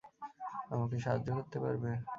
আমাকে সাহায্য করতে পারবে?